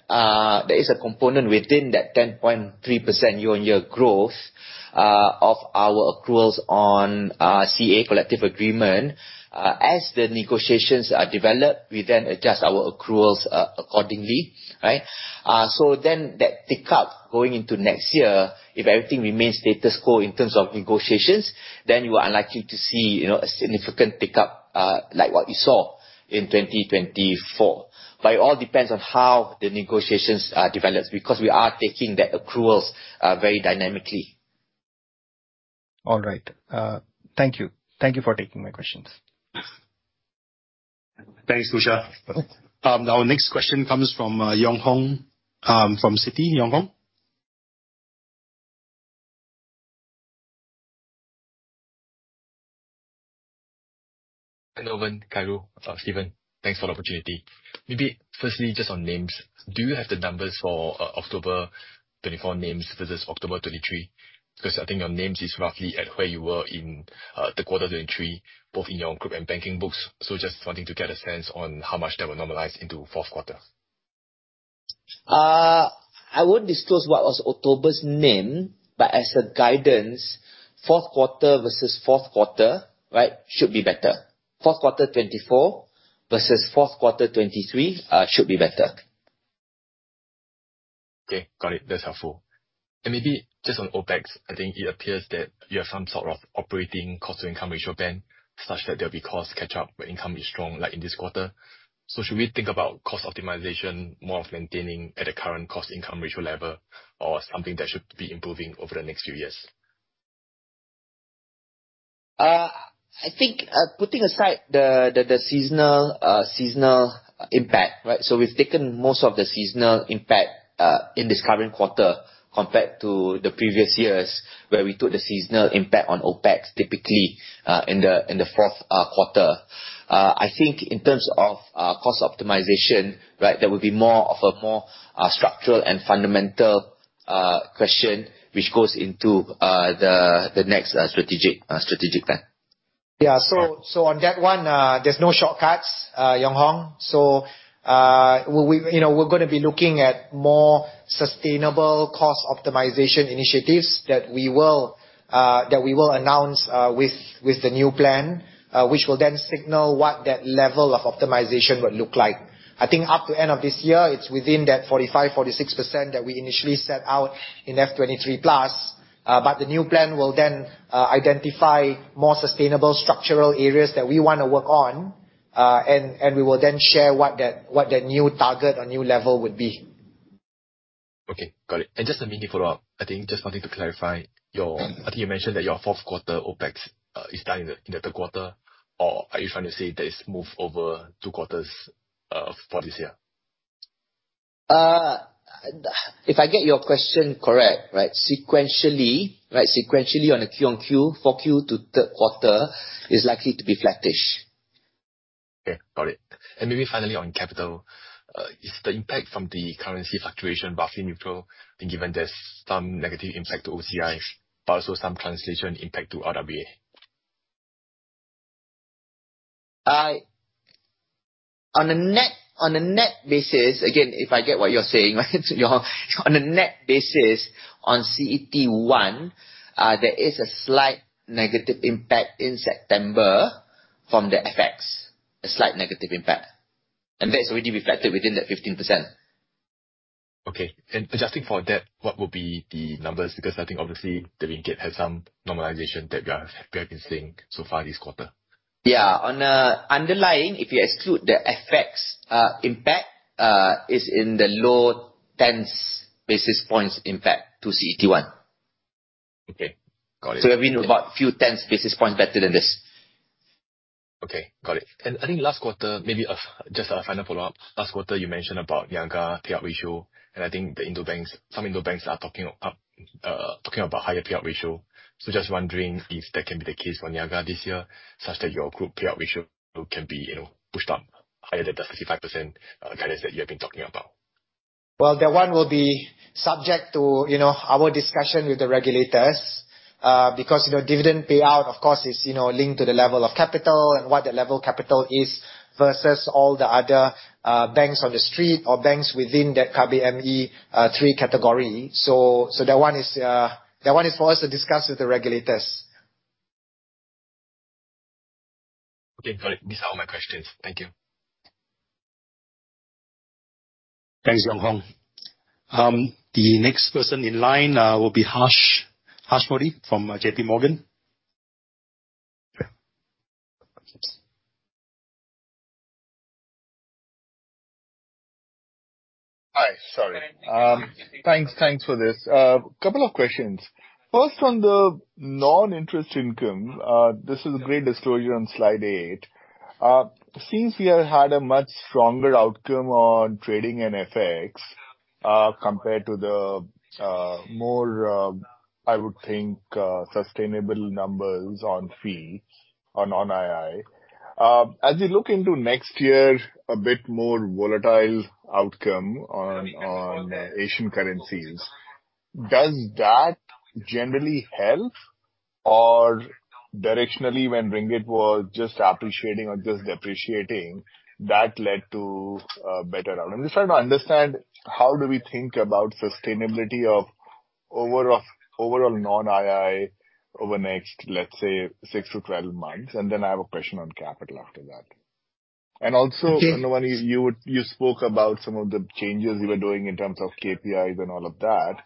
There is a component within that 10.3% year-on-year growth of our accruals on CA, collective agreement. As the negotiations are developed, we adjust our accruals accordingly, right? That pickup going into next year, if everything remains status quo in terms of negotiations, you are unlikely to see a significant pickup, like what you saw in 2024. It all depends on how the negotiations develops, because we are taking that accruals very dynamically. All right. Thank you. Thank you for taking my questions. Thanks, Tushar. Okay. Our next question comes from Yong Hong, from Citi. Yong Hong? Hello, Vin, Khairul, Steven. Thanks for the opportunity. Firstly, just on NIMs, do you have the numbers for October 2024 NIMs versus October 2023? Because I think your NIMs is roughly at where you were in third quarter 2023, both in your group and banking books. Just wanting to get a sense on how much that will normalize into fourth quarter. I won't disclose what was October's NIM, as a guidance, fourth quarter versus fourth quarter should be better. Fourth quarter 2024 versus fourth quarter 2023, should be better. Okay, got it. That's helpful. Maybe just on OpEx, I think it appears that you have some sort of operating cost to income ratio band, such that there will be cost catch-up when income is strong, like in this quarter. Should we think about cost optimization more of maintaining at the current cost income ratio level, or something that should be improving over the next few years? I think, putting aside the seasonal impact, right? We've taken most of the seasonal impact in this current quarter compared to the previous years, where we took the seasonal impact on OpEx, typically, in the fourth quarter. I think in terms of cost optimization, that would be more of a structural and fundamental question, which goes into the next strategic plan. Yeah. On that one, there's no shortcuts, Yong Hong. We're going to be looking at more sustainable cost optimization initiatives that we will announce with the new plan, which will then signal what that level of optimization would look like. I think up to end of this year, it's within that 45%-46% that we initially set out in FY23+. The new plan will then identify more sustainable structural areas that we want to work on, we will then share what the new target or new level would be. Okay. Got it. Just a mini follow-up, I think you mentioned that your fourth quarter OpEx is done in the third quarter, or are you trying to say that it's moved over two quarters, for this year? If I get your question correct, sequentially on a Q on Q, 4Q to third quarter is likely to be flattish. Okay, got it. Maybe finally, on capital, is the impact from the currency fluctuation roughly neutral? Given there's some negative impact to OCI, but also some translation impact to RWA. On a net basis, again, if I get what you're saying, right? On a net basis on CET1, there is a slight negative impact in September from the FX. A slight negative impact, and that is already reflected within that 15%. Okay. Adjusting for debt, what will be the numbers? Because I think obviously the Ringgit had some normalization that we have been seeing so far this quarter. Yeah. On underlying, if you exclude the FX impact, is in the low tens basis points impact to CET1. Okay, got it. We've been about a few tenth basis points better than this. Okay, got it. I think last quarter, maybe just a final follow-up. Last quarter you mentioned about Niaga payout ratio, and I think some Indo banks are talking about higher payout ratio. Just wondering if that can be the case for Niaga this year, such that your group payout ratio can be pushed up higher than the 55% guidance that you have been talking about? Well, that one will be subject to our discussion with the regulators, because dividend payout, of course, is linked to the level of capital and what the level capital is versus all the other banks on the street or banks within that KBMI 3 category. That one is for us to discuss with the regulators. Okay, got it. These are all my questions. Thank you. Thanks, Yong Hong. The next person in line will be Harsh Modi from JPMorgan. Hi, sorry. Thanks for this. Couple of questions. First, on the non-interest income, this is a great disclosure on slide eight. Since we have had a much stronger outcome on trading and FX, compared to the more, I would think, sustainable numbers on fees on II. As we look into next year, a bit more volatile outcome on Asian currencies, does that generally help or directionally when ringgit was just appreciating or just depreciating, that led to a better outcome? I'm just trying to understand how do we think about sustainability of overall non-II over the next, let's say, six to 12 months? Then I have a question on capital after that. And also- Okay I know you spoke about some of the changes you were doing in terms of KPIs and all of that.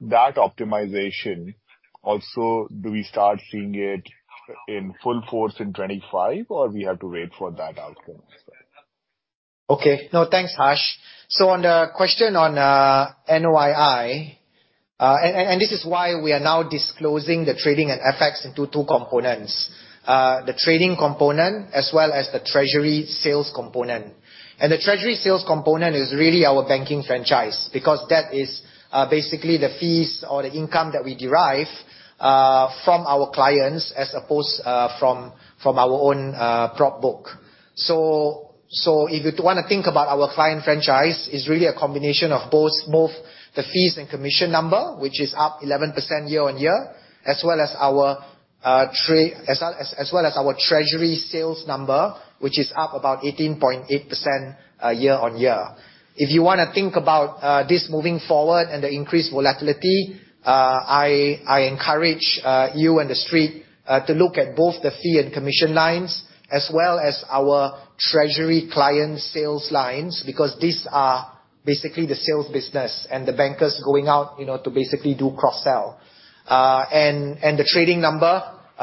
That optimization also, do we start seeing it in full force in 2025, or we have to wait for that outcome as well? Okay. No, thanks, Harsh. On the question on NII, this is why we are now disclosing the trading and FX into two components, the trading component as well as the treasury sales component. The treasury sales component is really our banking franchise because that is basically the fees or the income that we derive from our clients as opposed from our own prop book. If you want to think about our client franchise, it's really a combination of both the fees and commission number, which is up 11% year-on-year, as well as our treasury sales number, which is up about 18.8% year-on-year. If you want to think about this moving forward and the increased volatility, I encourage you and the Street to look at both the fee and commission lines as well as our treasury client sales lines, because these are basically the sales business and the bankers going out to basically do cross-sell. The trading number,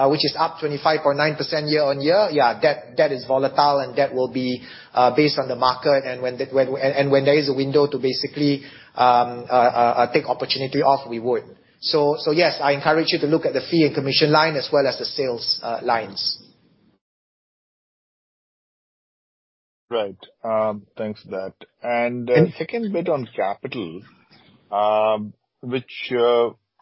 which is up 25.9% year-on-year, yeah, that is volatile and that will be based on the market, and when there is a window to basically take opportunity off, we would. Yes, I encourage you to look at the fee and commission line as well as the sales lines. Right. Thanks for that. Second bit on capital, which,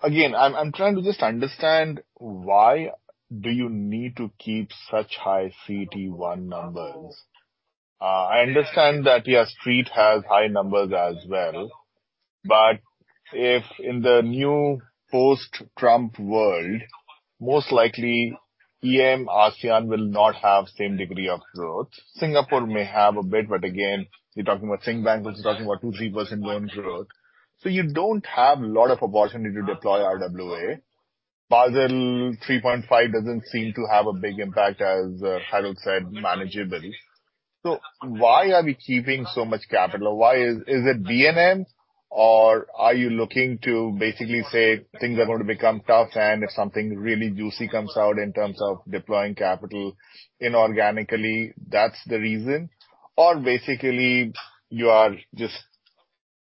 again, I'm trying to just understand why do you need to keep such high CET1 numbers? I understand that, yeah, Street has high numbers as well. But if in the new post-Trump world, most likely EM ASEAN will not have same degree of growth. Singapore may have a bit, but again, you're talking about Singbank, which is talking about 2%, 3% loan growth. You don't have a lot of opportunity to deploy RWA. Basel III.5 doesn't seem to have a big impact, as Khairul said, manageably. Why are we keeping so much capital? Is it BNM or are you looking to basically say things are going to become tough and if something really juicy comes out in terms of deploying capital inorganically, that's the reason? Basically, you are just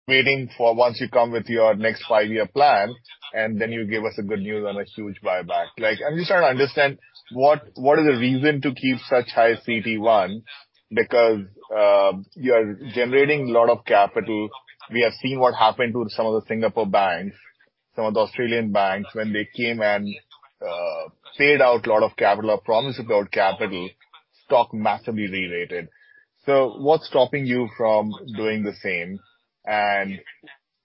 waiting for once you come with your next five-year plan, and then you give us a good news on a huge buyback. I'm just trying to understand what is the reason to keep such high CET1, because you are generating a lot of capital. We have seen what happened to some of the Singapore banks, some of the Australian banks when they came and paid out a lot of capital or promised about capital, stock massively rallied. What's stopping you from doing the same?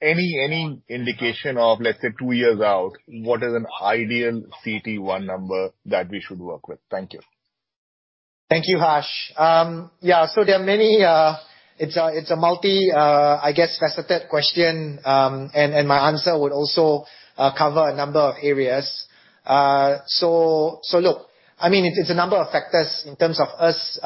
Any indication of, let's say, two years out, what is an ideal CET1 number that we should work with? Thank you. Thank you, Harsh. It's a multi, I guess, faceted question, and my answer would also cover a number of areas. Look, it's a number of factors in terms of us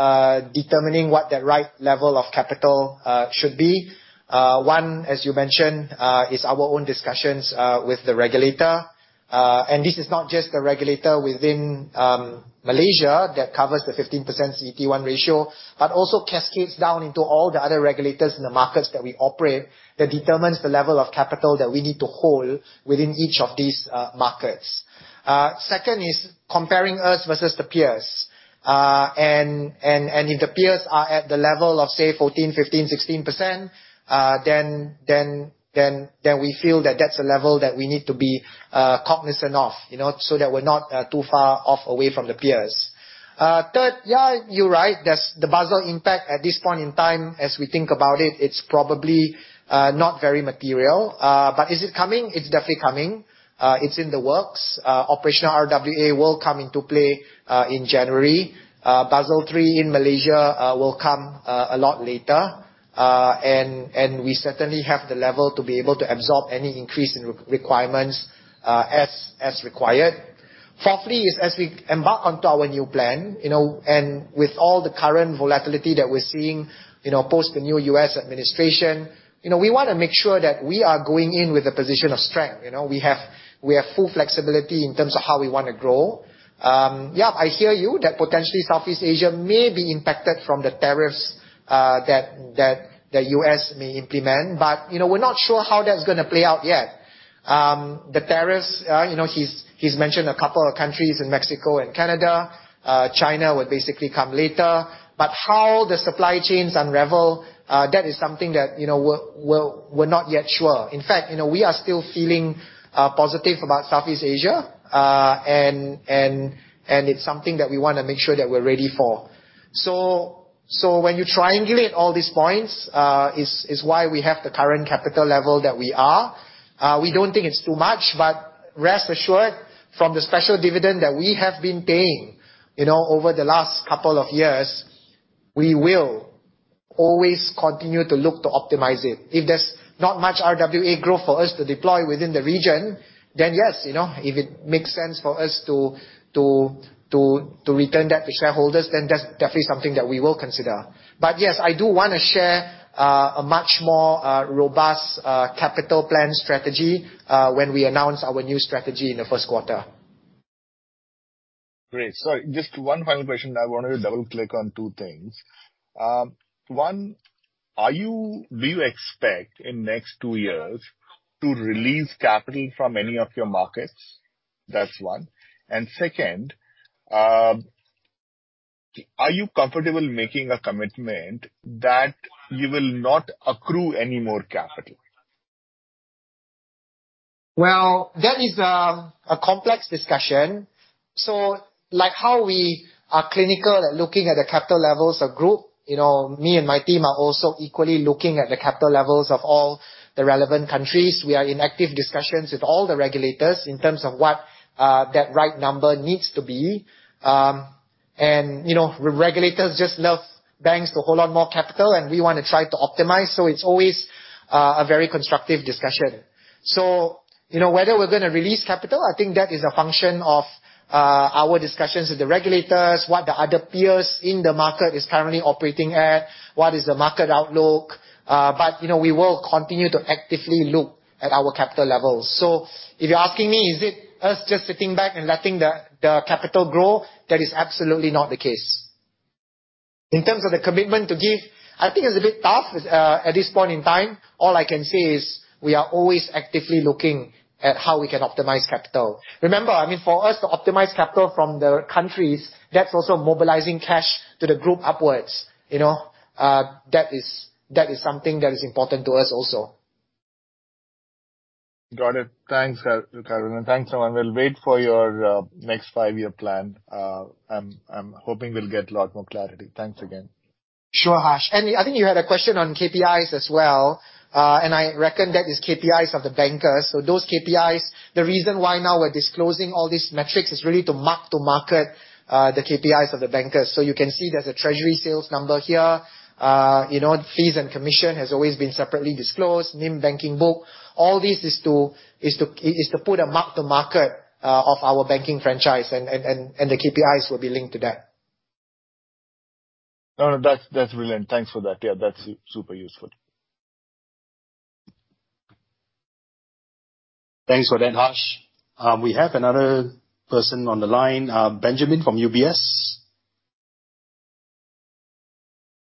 determining what the right level of capital should be. One, as you mentioned, is our own discussions with the regulator. This is not just the regulator within Malaysia that covers the 15% CET1 ratio, but also cascades down into all the other regulators in the markets that we operate, that determines the level of capital that we need to hold within each of these markets. Second is comparing us versus the peers. If the peers are at the level of, say, 14%, 15%, 16%, then we feel that that's a level that we need to be cognizant of, so that we're not too far off away from the peers. Third, you're right. The Basel impact at this point in time, as we think about it's probably not very material. Is it coming? It's definitely coming. It's in the works. Operational RWA will come into play in January. Basel III in Malaysia will come a lot later. We certainly have the level to be able to absorb any increase in requirements as required. Fourthly is as we embark onto our new plan, and with all the current volatility that we're seeing, post the new U.S. administration. We want to make sure that we are going in with a position of strength. We have full flexibility in terms of how we want to grow. I hear you that potentially Southeast Asia may be impacted from the tariffs that U.S. may implement, but we're not sure how that's going to play out yet. The tariffs, he's mentioned a couple of countries in Mexico and Canada. China would basically come later. How the supply chains unravel, that is something that we're not yet sure. In fact, we are still feeling positive about Southeast Asia, and it's something that we want to make sure that we're ready for. When you triangulate all these points, is why we have the current capital level that we are. We don't think it's too much, but rest assured, from the special dividend that we have been paying over the last couple of years, we will always continue to look to optimize it. If there's not much RWA growth for us to deploy within the region, then yes, if it makes sense for us to return that to shareholders, then that's definitely something that we will consider. Yes, I do want to share a much more robust capital plan strategy when we announce our new strategy in the first quarter. Great. Just one final question, I wanted to double click on two things. One, do you expect in next two years to release capital from any of your markets? That's one. Second, are you comfortable making a commitment that you will not accrue any more capital? Well, that is a complex discussion. Like how we are clinical at looking at the capital levels of Group, me and my team are also equally looking at the capital levels of all the relevant countries. We are in active discussions with all the regulators in terms of what that right number needs to be. Regulators just love banks to hold on more capital, and we want to try to optimize. It's always a very constructive discussion. Whether we're going to release capital, I think that is a function of our discussions with the regulators, what the other peers in the market is currently operating at, what is the market outlook. We will continue to actively look at our capital levels. If you're asking me, is it us just sitting back and letting the capital grow? That is absolutely not the case. In terms of the commitment to give, I think it's a bit tough at this point in time. All I can say is we are always actively looking at how we can optimize capital. Remember, for us to optimize capital from the countries, that's also mobilizing cash to the Group upwards. That is something that is important to us also. Got it. Thanks, Khairul. Thanks so much. We'll wait for your next five-year plan. I'm hoping we'll get a lot more clarity. Thanks again. Sure, Hash. I think you had a question on KPIs as well, and I reckon that is KPIs of the bankers. Those KPIs, the reason why now we're disclosing all these metrics is really to mark to market the KPIs of the bankers. You can see there's a treasury sales number here. Fees and commission has always been separately disclosed, NIM banking book. All this is to put a mark to market of our banking franchise and the KPIs will be linked to that. No, that's brilliant. Thanks for that. Yeah, that's super useful. Thanks for that, Ash. We have another person on the line, Benjamin from UBS.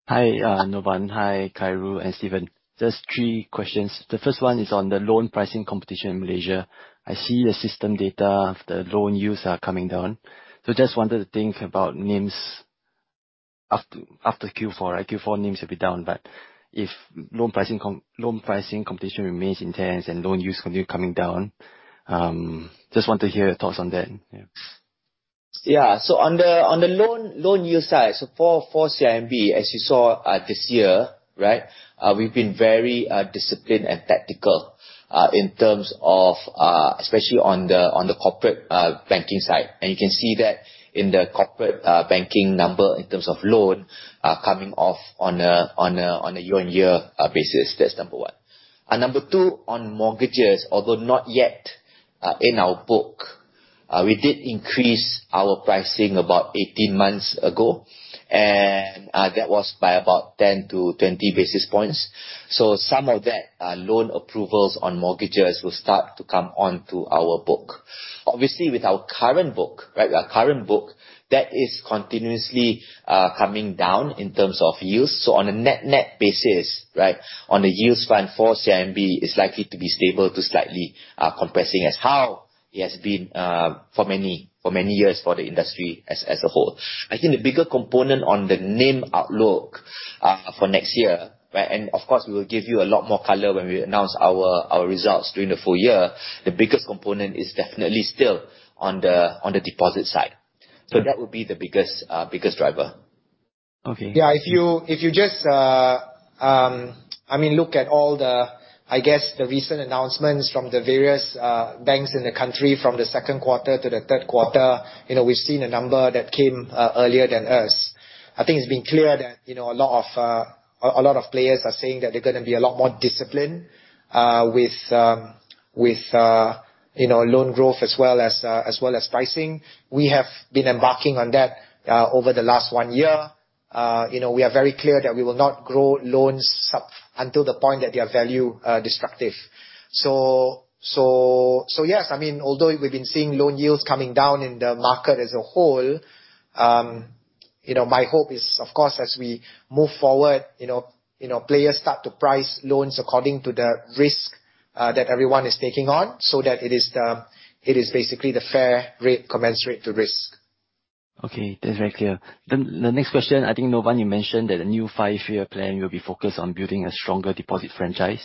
Hi, Novan. Hi, Khairul and Steven. Just three questions. The first one is on the loan pricing competition in Malaysia. I see the system data of the loan use are coming down. Just wanted to think about NIMs after Q4. Q4 NIMs will be down, but if loan pricing competition remains intense and loan use continue coming down, just want to hear your thoughts on that. On the loan use side, for CIMB, as you saw this year, we've been very disciplined and tactical, especially on the corporate banking side. You can see that in the corporate banking number in terms of loan, coming off on a year-on-year basis. That's number 1. Number 2, on mortgages, although not yet in our book, we did increase our pricing about 18 months ago, and that was by about 10 to 20 basis points. Some of that loan approvals on mortgages will start to come onto our book. Obviously, with our current book, that is continuously coming down in terms of use. On a net-net basis, on a use plan for CIMB, it's likely to be stable to slightly compressing as how it has been for many years for the industry as a whole. I think the bigger component on the NIM outlook for next year, and of course, we will give you a lot more color when we announce our results during the full year, the biggest component is definitely still on the deposit side. That would be the biggest driver. Okay. If you just look at all the, I guess, the recent announcements from the various banks in the country, from the second quarter to the third quarter, we've seen a number that came earlier than us. I think it's been clear that a lot of players are saying that they're going to be a lot more disciplined with loan growth as well as pricing. We have been embarking on that over the last one year. We are very clear that we will not grow loans until the point that they are value destructive. Yes, although we've been seeing loan yields coming down in the market as a whole, my hope is, of course, as we move forward, players start to price loans according to the risk that everyone is taking on, so that it is basically the fair commensurate to risk. Okay, that's very clear. The next question, I think, Novan, you mentioned that the new five-year plan will be focused on building a stronger deposit franchise.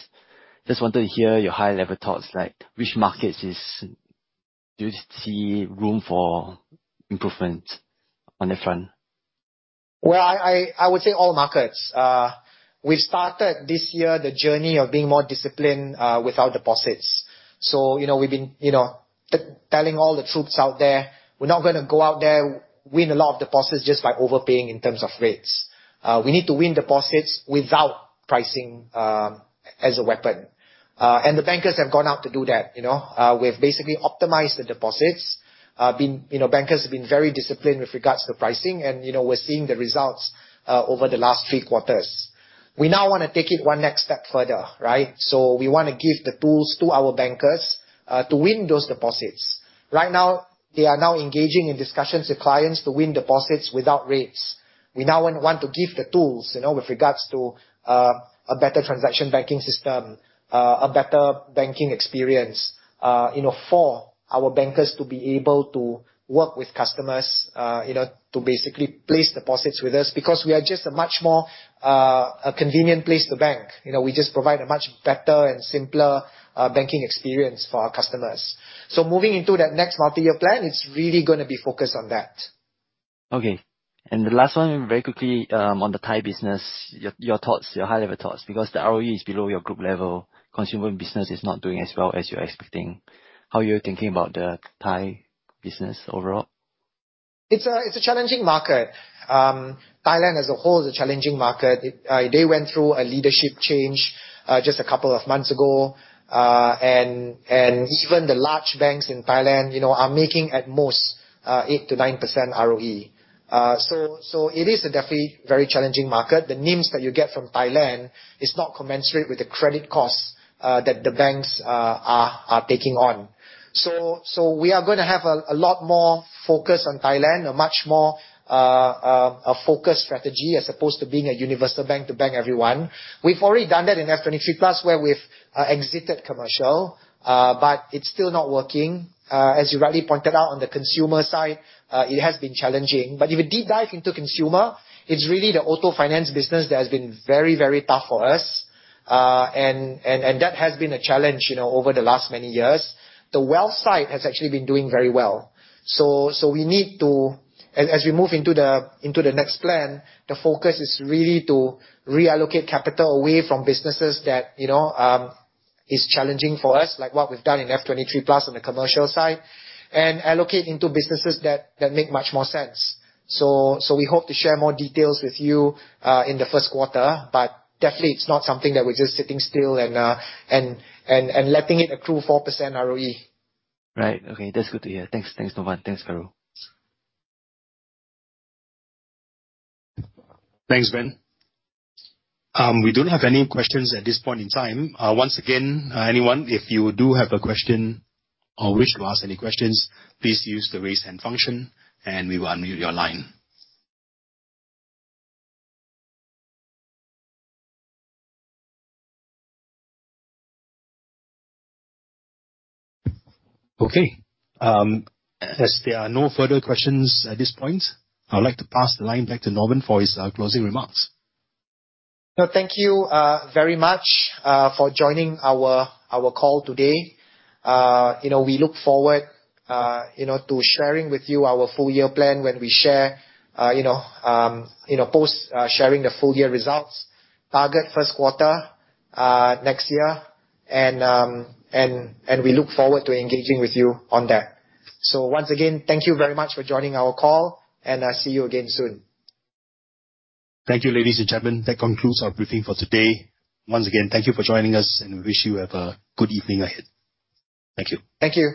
Just wanted to hear your high-level thoughts, like which markets do you see room for improvement on that front? Well, I would say all markets. We've started this year the journey of being more disciplined with our deposits. We've been telling all the troops out there, we're not going to go out there, win a lot of deposits just by overpaying in terms of rates. We need to win deposits without pricing as a weapon. The bankers have gone out to do that. We've basically optimized the deposits. Bankers have been very disciplined with regards to pricing, and we're seeing the results over the last three quarters. We now want to take it one next step further. We want to give the tools to our bankers to win those deposits. Right now, they are now engaging in discussions with clients to win deposits without rates. We now want to give the tools, with regards to a better transaction banking system, a better banking experience, for our bankers to be able to work with customers to basically place deposits with us because we are just a much more convenient place to bank. We just provide a much better and simpler banking experience for our customers. Moving into that next multi-year plan, it's really going to be focused on that. Okay. The last one, very quickly, on the Thai business, your high-level thoughts, because the ROE is below your group level, consumer business is not doing as well as you're expecting. How are you thinking about the Thai business overall? It is a challenging market. Thailand, as a whole, is a challenging market. They went through a leadership change just a couple of months ago. Even the large banks in Thailand are making, at most, 8%-9% ROE. It is definitely a very challenging market. The NIMs that you get from Thailand is not commensurate with the credit costs that the banks are taking on. We are going to have a lot more focus on Thailand, a much more focused strategy as opposed to being a universal bank to bank everyone. We have already done that in FY23+, where we have exited commercial, but it is still not working. As you rightly pointed out on the consumer side, it has been challenging. If you deep dive into consumer, it is really the auto finance business that has been very, very tough for us, and that has been a challenge over the last many years. The wealth side has actually been doing very well. As we move into the next plan, the focus is really to reallocate capital away from businesses that is challenging for us, like what we have done in FY23+ on the commercial side, and allocate into businesses that make much more sense. We hope to share more details with you in the first quarter, but definitely it is not something that we are just sitting still and letting it accrue 4% ROE. Right. Okay. That is good to hear. Thanks, Novan. Thanks, Khairul. Thanks, Ben. We do not have any questions at this point in time. Once again, anyone, if you do have a question or wish to ask any questions, please use the raise hand function and we will unmute your line. Okay. As there are no further questions at this point, I would like to pass the line back to Novan for his closing remarks. Thank you very much for joining our call today. We look forward to sharing with you our full-year plan when we share, post sharing the full-year results, target first quarter next year, and we look forward to engaging with you on that. Once again, thank you very much for joining our call, and I'll see you again soon. Thank you, ladies and gentlemen. That concludes our briefing for today. Once again, thank you for joining us, and we wish you have a good evening ahead. Thank you. Thank you.